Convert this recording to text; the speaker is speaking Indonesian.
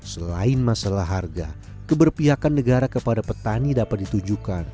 selain masalah harga keberpihakan negara kepada petani dapat ditujukan